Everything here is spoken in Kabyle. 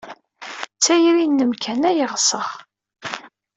D tayri-nnem kan ay ɣseɣ.